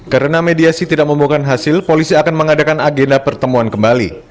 karena mediasi tidak membuangkan hasil polisi akan mengadakan agenda pertemuan kembali